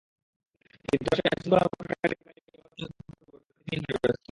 কিন্তু রাষ্ট্রের আইনশৃঙ্খলা রক্ষাকারী বাহিনী অপরাধ নিয়ন্ত্রণের পরিবর্তে রাজনীতি নিয়ন্ত্রণে ব্যস্ত।